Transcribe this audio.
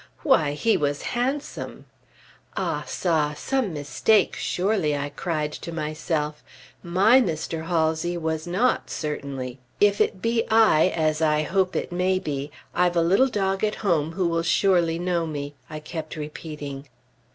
Why, he was handsome! Ah ça! some mistake, surely, I cried to myself. My Mr. Halsey was not, certainly! "If it be I, as I hope it may be, I've a little dog at home who will surely know me," I kept repeating.